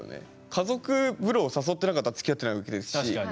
家族風呂を誘ってなかったらつきあってないわけですし。